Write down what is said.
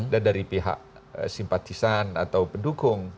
sebagai hak simpatisan atau pendukung